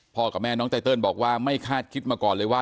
กับแม่น้องไตเติลบอกว่าไม่คาดคิดมาก่อนเลยว่า